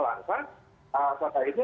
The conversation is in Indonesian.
langka saat akhirnya